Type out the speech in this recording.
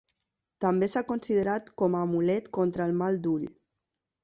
També s'ha considerat com a amulet contra el mal d'ull.